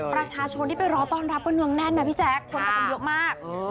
ประชาชนที่ไปรอต้อนรับก็เนืองแน่นนะพี่แจ๊คคนไปกันเยอะมาก